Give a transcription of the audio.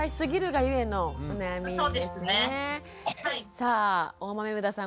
さあ大豆生田さん